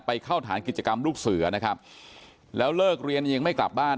เข้าฐานกิจกรรมลูกเสือนะครับแล้วเลิกเรียนยังไม่กลับบ้าน